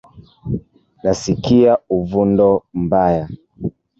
Nasikia uvundo mbaya